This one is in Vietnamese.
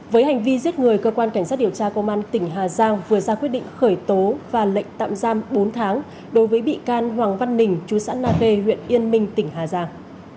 với hành vi giết người cơ quan cảnh sát điều tra công an tỉnh hà giang vừa ra quyết định khởi tố và lệnh tạm giam bốn tháng đối với bị can hoàng văn đình chú xã na khê huyện yên minh tỉnh hà giang